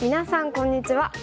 こんにちは。